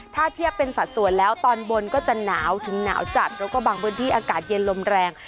ถ้าเทียบเป็นสัดส่วนแล้วตอนบนก็จะหนาวถึงหนาวจัดแล้วก็บางพื้นที่อากาศเย็นลมแรง